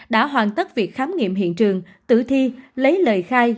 đã hoàn tất việc khám nghiệm hiện trường tử thi lấy lời khai